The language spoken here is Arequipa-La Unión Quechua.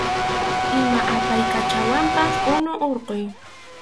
Ima apaykachanawanpas unu hurquy.